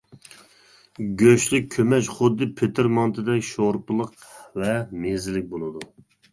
گۆشلۈك كۆمەچ خۇددى پېتىر مانتىدەك شورپىلىق ۋە مەززىلىك بولىدۇ.